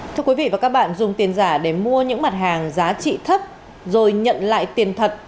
thưa quý vị và các bạn dùng tiền giả để mua những mặt hàng giá trị thấp rồi nhận lại tiền thật